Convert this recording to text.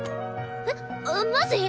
えっマジ！？